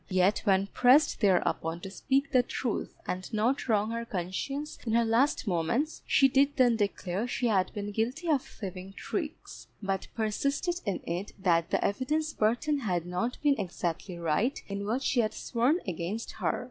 Yet when pressed thereupon to speak the truth and not wrong her conscience in her last moments, she did then declare she had been guilty of thieving tricks; but persisted in it that the evidence Burton had not been exactly right in what she had sworn against her.